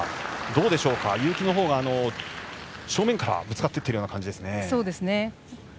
どうでしょうか、結城のほうが正面からぶつかっていってる感じですね。